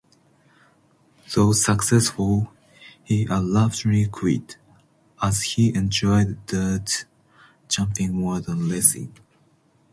Though successful, he abruptly quit, as he enjoyed dirt jumping more than racing.